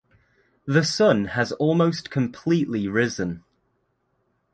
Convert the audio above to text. The sun has almost completely risen.